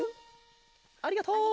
ありがとう。